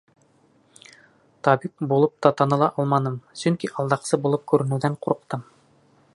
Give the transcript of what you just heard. Табип булып та таныла алманым, сөнки алдаҡсы булып күренеүҙән ҡурҡтым.